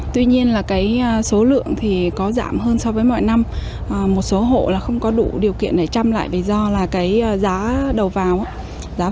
tỉnh đắk lắk lên tới gần